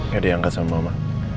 ya udah angkat sama mama